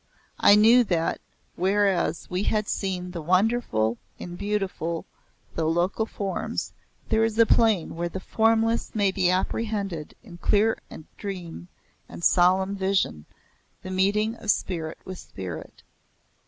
I knew that whereas we had seen the Wonderful in beautiful though local forms there is a plane where the Formless may be apprehended in clear dream and solemn vision the meeting of spirit with Spirit.